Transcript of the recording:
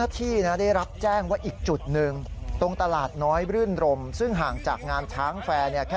ที่เล่านัทหลัวี